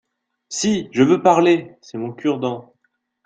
Si, je veux parler !… c’est mon cure-dent.